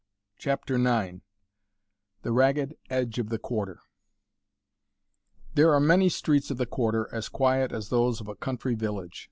CHAPTER IX "THE RAGGED EDGE OF THE QUARTER" There are many streets of the Quarter as quiet as those of a country village.